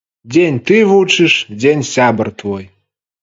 Дзень ты вучыш, дзень сябар твой.